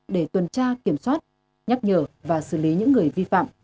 để tuần tra kiểm soát nhắc nhở và xử lý những người vi phạm